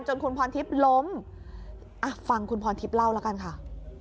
คุณพรทิพย์ล้มอ่ะฟังคุณพรทิพย์เล่าแล้วกันค่ะ